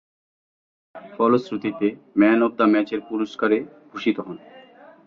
ফলশ্রুতিতে man of the ম্যাচের পুরস্কারে ভূষিত হন।